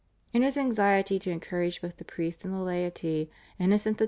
In his anxiety to encourage both the priests and the laity Innocent XII.